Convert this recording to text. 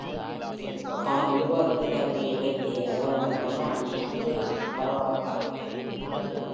தான் உருவாக்கிய கருவியை வைத்தே, அவர் அந்தக் கண்ணாடியை மெருகேற்றிப் பளபளப்பாக்கினார்.